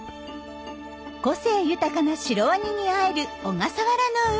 個性豊かなシロワニに会える小笠原の海。